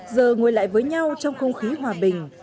giờ ngồi lại với nhau trong không khí hòa bình